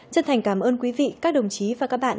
chân thành cảm ơn quý vị các đồng chí và các bạn